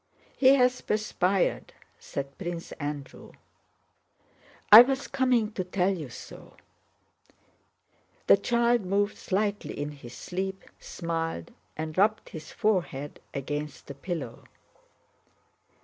"He has perspired," said Prince Andrew. "I was coming to tell you so." The child moved slightly in his sleep, smiled, and rubbed his forehead against the pillow.